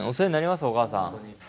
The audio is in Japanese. お母さん。